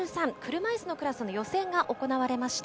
車いすのクラスの予選が行われました。